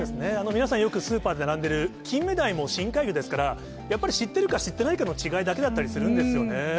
皆さん、よくスーパーで並んでるキンメダイも深海魚ですから、やっぱり知ってるか知ってないかの違いだけだったりするんですよね。